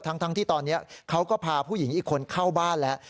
ทั้งที่ตอนนี้เขาก็พาผู้หญิงอีกคนเข้าบ้านแล้ว